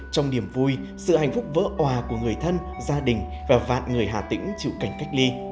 trong niềm vui sự hạnh phúc vỡ hòa của người thân gia đình và vạn người hà tĩnh chịu cảnh cách ly